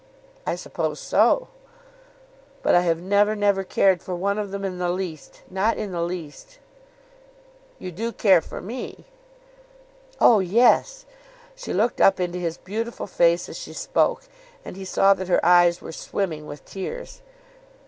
"I suppose so." "But I have never, never cared for one of them in the least; not in the least." "You do care for me?" "Oh yes." She looked up into his beautiful face as she spoke, and he saw that her eyes were swimming with tears.